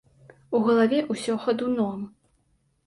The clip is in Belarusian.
У галаве ўсё хадуном.